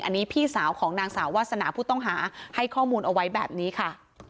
อันนี้พี่สาวของนางสาววาสนาผู้ต้องหาให้ข้อมูลเอาไว้แบบนี้ค่ะ